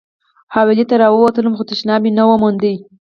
حویلۍ ته راووتلم خو تشناب مې ونه موند.